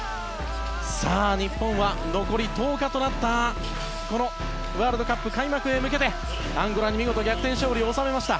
日本は残り１０日となったワールドカップ開幕へ向けてアンゴラに見事逆転勝利を収めました。